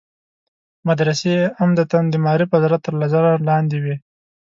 مدرسې عمدتاً د معارف وزارت تر نظر لاندې وي.